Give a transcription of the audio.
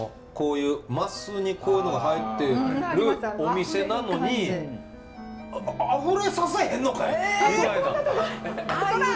こういう升にこういうのが入ってるお店なのに「あふれさせへんのかい！」